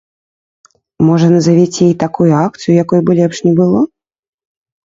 Можа назавеце і такую акцыю, якой бы лепш не было?